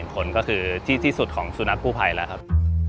คนก็คือที่ที่สุดของสุนัขกู้ภัยแล้วครับ